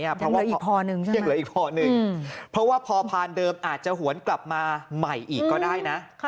เพราะว่าอีกยังเหลืออีกพอหนึ่งเพราะว่าพอพานเดิมอาจจะหวนกลับมาใหม่อีกก็ได้นะ